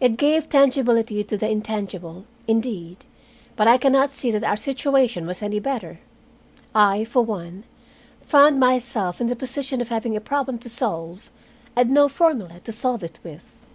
It gave tangibility to the intangible, indeed, but I can not see that our situation was any better. I, for one, found myself in the position of having a problem to solve, and no formula to solve it with.